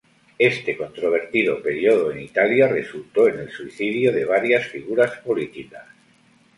Este controvertido período en Italia resultó en el suicidio de varias figuras políticas.